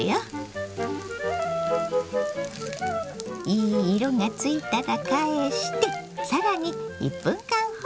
いい色がついたら返して更に１分間ほど焼きます。